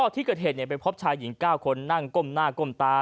ที่เกิดเหตุไปพบชายหญิง๙คนนั่งก้มหน้าก้มตา